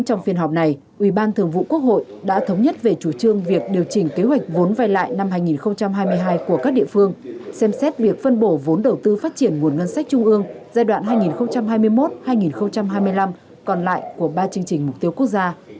chính phủ đề nghị quốc hội cũng đã thống nhất về chủ trương việc điều chỉnh kế hoạch vốn vai lại năm hai nghìn hai mươi hai của các địa phương xem xét việc phân bổ vốn đầu tư phát triển nguồn ngân sách trung ương giai đoạn hai nghìn hai mươi một hai nghìn hai mươi năm còn lại của ba chương trình mục tiêu quốc gia